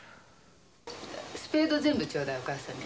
スペード全部ちょうだいお母さんに。